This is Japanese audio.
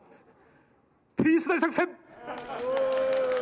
ピース大作戦！